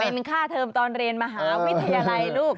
เป็นค่าเทอมตอนเรียนมหาวิทยาลัยลูก